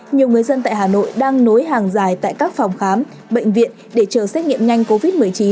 nhiều người dân tại hà nội đang nối hàng dài tại các phòng khám bệnh viện để chờ xét nghiệm nhanh covid một mươi chín